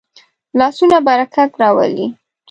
لاسونه برکت راولي